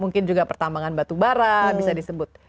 mungkin juga pertambangan batu bara bisa disebut